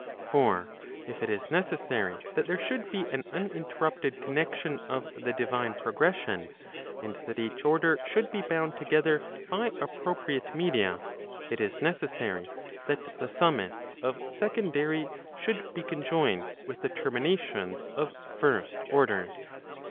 For if it is necessary that there should be an uninterrupted connection of the divine progression, and that each order should be bound together by appropriate media, it is necessary that the summits of secondary should be conjoined with the terminations of first orders.